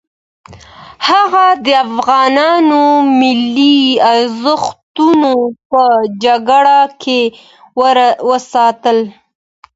هغه د افغانانو ملي ارزښتونه په جګړه کې وساتل.